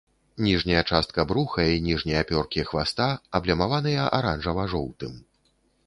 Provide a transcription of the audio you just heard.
Ніжняя частка бруха і ніжнія пёркі хваста аблямаваныя аранжава-жоўтым.